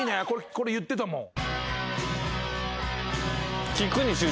これ言ってたもん。